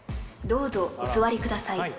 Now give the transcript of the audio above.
どうぞお座りください。